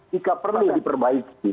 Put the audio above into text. jika perlu diperbaiki